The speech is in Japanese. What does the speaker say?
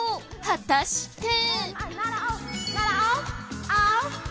果たして！？